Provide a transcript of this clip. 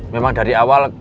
memang dari awal